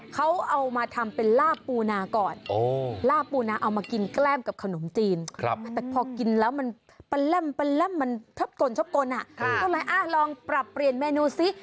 เขาเอามาทำเป็นลาบปูนาก่อนล่าปูนาเอามากินแกล้มกับขนมจีนแต่พอกินแล้วมันแล่มมันชอบกลชอบกลก็เลยลองปรับเปลี่ยนเมนูซิ